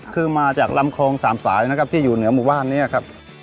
คือมาจากลำคลองสามสายนะครับที่อยู่เหนือหมู่บ้านนี้ครับ